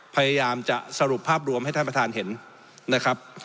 พยายามจะสรุปภาพรวมให้ท่านประธานเห็นนะครับ